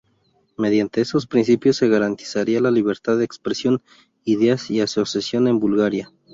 Mediante esos principios se garantizaría la libertad de expresión, ideas y asociación en Bulgaria.